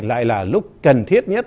lại là lúc cần thiết nhất